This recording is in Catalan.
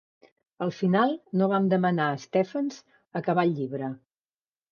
Al final, no van demanar a Stephens acabar el llibre.